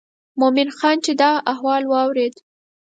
مومن خان چې دا احوال واورېد.